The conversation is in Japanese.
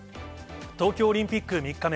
東京オリンピック３日目。